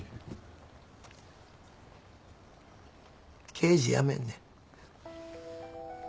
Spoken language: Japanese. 刑事辞めんねん。